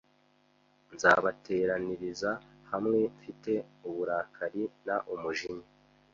nzabateraniriza hamwe mfite uburakari n umujinya